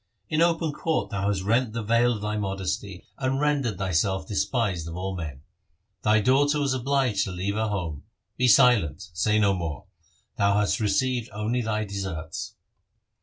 In open court thou hast rent the veil of thy modesty, LIFE OF GURU HAR GOBIND and rendered thyself despised of all men. Thy daughter was obliged to leave her home Be silent ; say no more ; thou hast received only thy deserts.'